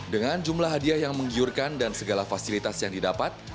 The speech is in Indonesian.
dengan jumlah hadiah yang menggiurkan dan segala fasilitas yang didapat